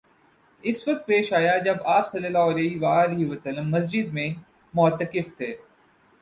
اس وقت پیش آیا جب آپ صلی اللہ علیہ وسلم مسجد میں معتکف تھے